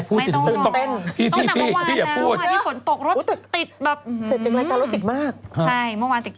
ใกล้กันเพราะหนูก็ต้องเข้าตึก